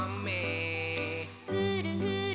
「ふるふる」